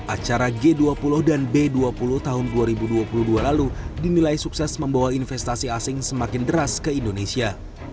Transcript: acara g dua puluh dan b dua puluh tahun dua ribu dua puluh dua lalu dinilai sukses membawa investasi asing semakin deras ke indonesia